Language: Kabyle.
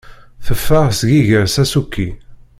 Teffeɣ seg iger s asuki.